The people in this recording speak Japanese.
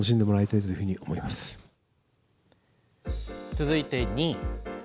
続いて２位。